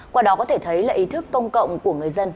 qua đó có thể thấy là ý thức công cộng của người dân